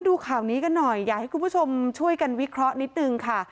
ดูข่าวนี้กันหน่อยอยากให้คุณผู้ชมช่วยกันวิเคราะห์นิดนึงค่ะ